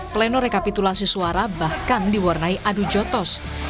pleno rekapitulasi suara bahkan diwarnai adu jotos